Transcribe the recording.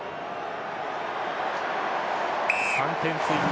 ３点追加。